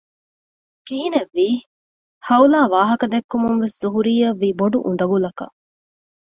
ކިހިނެއްވީ; ހައުލާ ވާހަކަ ދެއްކުމުންވެސް ޒުހުރީއަށް ވީ ބޮޑު އުނދަގުލަކަށް